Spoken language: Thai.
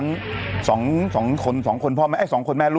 เป็นการกระตุ้นการไหลเวียนของเลือด